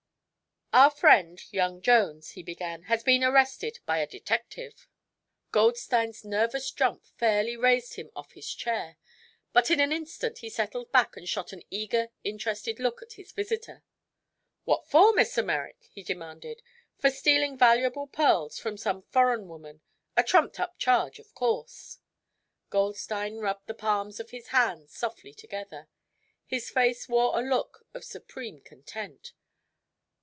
"Our friend, young Jones," he began, "has just been arrested by a detective." Goldstein's nervous jump fairly raised him off his chair; but in an instant he settled back and shot an eager, interested look at his visitor. "What for, Mr. Merrick?" he demanded. "For stealing valuable pearls from some foreign woman. A trumped up charge, of course." Goldstein rubbed the palms of his hands softly together. His face wore a look of supreme content.